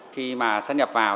khi mà sắp nhập vào